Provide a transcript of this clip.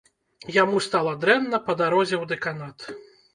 Яму стала дрэнна па дарозе ў дэканат.